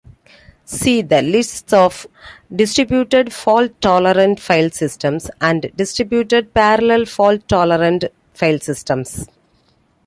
See the lists of distributed fault-tolerant file systems and distributed parallel fault-tolerant file systems.